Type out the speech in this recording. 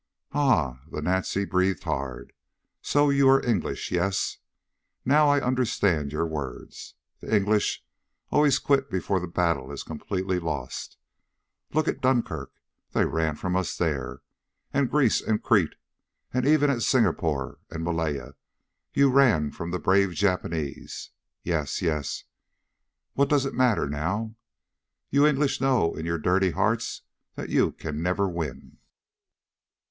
"Ah!" the Nazi breathed hard. "So you are English, yes? Now I understand your words. The English always quit before the battle is completely lost. Look at Dunkirk. They ran from us there. And Greece, and Crete. And even at Singapore and Malaya you ran from the brave Japanese. Yes, yes. What does it matter now? You English know in your dirty hearts that you can never win!"